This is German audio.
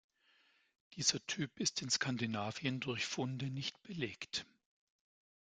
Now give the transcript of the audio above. Dieser Typ ist in Skandinavien durch Funde nicht belegt.